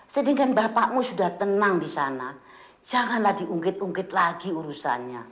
sedangkan bapakmu sudah tenang di sana janganlah diungkit ungkit lagi urusannya